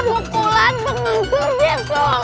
pukulan mengumpul bisul